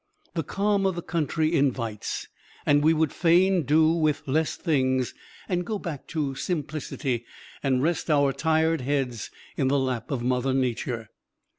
The calm of the country invites, and we would fain do with less things, and go back to simplicity, and rest our tired heads in the lap of Mother Nature.